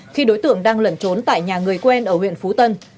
khi đối tượng đang lẩn trốn tại nhà người quen ở huyện phú tân